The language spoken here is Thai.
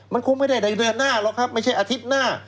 มันคงไม่ได้ในเดือนหน้าหรอกครับไม่ใช่อาทิตย์หน้า